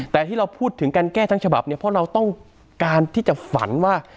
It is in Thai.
แต่ที่เราพูดถึงการแก้ทั้งฉบับเนี่ยเพราะเราต้องการที่จะฝันว่า